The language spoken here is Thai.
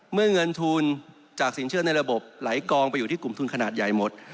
เงินทุนจากสินเชื่อในระบบไหลกองไปอยู่ที่กลุ่มทุนขนาดใหญ่หมด